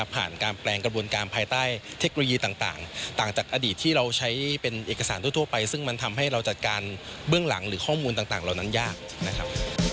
การแปลงกระบวนการภายใต้เทคโนโลยีต่างต่างจากอดีตที่เราใช้เป็นเอกสารทั่วไปซึ่งมันทำให้เราจัดการเบื้องหลังหรือข้อมูลต่างเหล่านั้นยากนะครับ